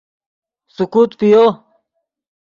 سیکوت پیو